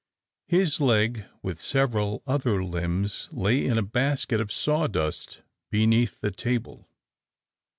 His leg, with several other limbs, lay in a basket of sawdust beneath the table.